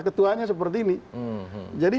ketuanya seperti ini jadi